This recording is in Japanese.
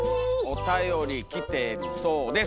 おたより来てるそうです！